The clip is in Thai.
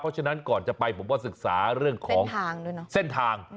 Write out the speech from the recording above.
เพราะฉะนั้นก่อนจะไปผมว่าศึกษาเรื่องของเส้นทาง